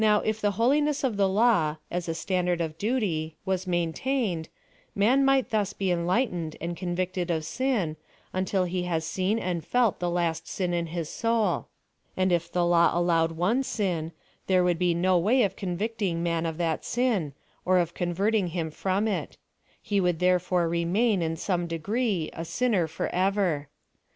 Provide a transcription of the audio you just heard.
if the holiness of the law, as a standard of duty, was maintained, man might thus be enlight ened and convicted of sin, until he has seen and felt the last sin in his soul ; and if the law allowed one sin, there would be no way of convicting man of that sin, or of converting him from it ; he would llierefore, remain, in some degree, a sinner forever.